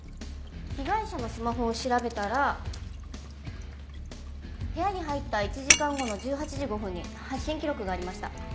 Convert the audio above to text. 被害者のスマホを調べたら部屋に入った１時間後の１８時５分に発信記録がありました。